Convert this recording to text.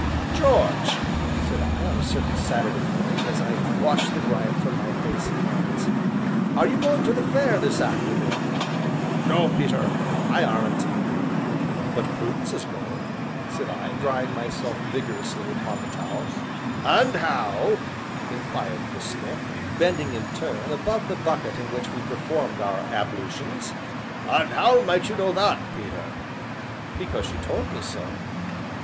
"George," said I, on a certain Saturday morning, as I washed the grime from my face and hands, "are you going to the Fair this afternoon?" "No, Peter, I aren't." "But Prudence is going," said I, drying myself vigorously upon the towel. "And how," inquired the smith, bending in turn above the bucket in which we performed our ablutions, "and how might you know that, Peter?" "Because she told me so."